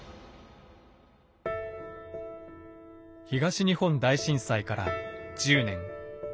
東日本大震災から１０年。